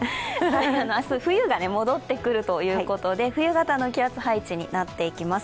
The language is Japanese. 明日、冬が戻ってくるということで、冬型の気圧配置になっていきます。